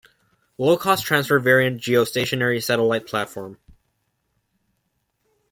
Low cost transfer variant geostationary satellite platform.